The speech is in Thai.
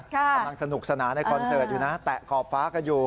กำลังสนุกสนานในคอนเสิร์ตอยู่นะแตะขอบฟ้ากันอยู่